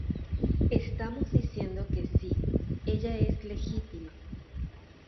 Estamos diciendo que sí, ella es legítima.